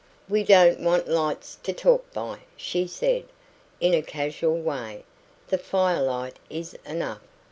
"We don't want lights to talk by," she said, in a casual way. "The firelight is enough.